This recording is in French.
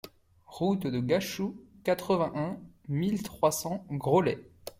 Route de Gachou, quatre-vingt-un mille trois cents Graulhet